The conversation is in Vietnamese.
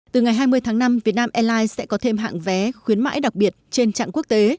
từ ngày hai mươi tháng năm việt nam airlines sẽ có thêm hạng vé khuyến mãi đặc biệt trên trạng quốc tế